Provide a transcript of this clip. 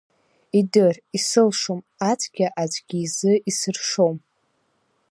Идыр, исылшом, ацәгьа аӡәгьы изын исыршом.